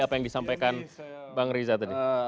apa yang disampaikan bang riza tadi